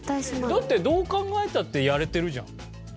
だってどう考えたってやれてるじゃん。